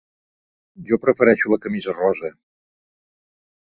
Jo prefereixo la camisa rosa.